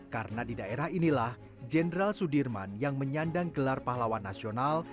karena di daerah inilah jenderal sudirman yang menyandang gelar pahlawan nasional